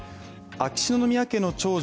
秋篠宮家の長女